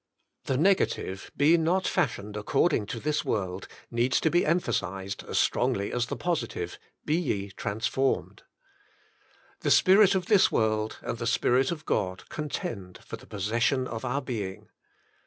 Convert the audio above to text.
The negative, " Be not fashioned according to this world,^' needs to be emphasised as strongly as the positive, " be ye transformed." The spirit of this world and the Spirit of God contend for the pos session of our being.